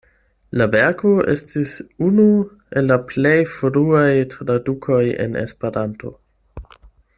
La verko estis unu el la plej fruaj tradukoj en Esperanto.